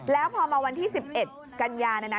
แล้วพอมาวันที่๑๑กันยานะนะ